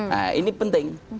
nah ini penting